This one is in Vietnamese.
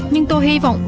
nhưng tôi hy vọng